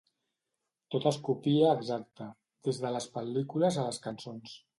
Tot és copia exacta, des de les pel·lícules a les cançons.